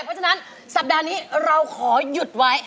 เพราะฉะนั้นสัปดาห์นี้เราขอหยุดไว้